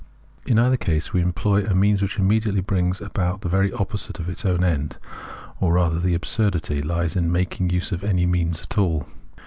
In either case we employ a means which immediately brings about the very opposite of its own end ; or, rather, the absurdity lies in making use of any means at all.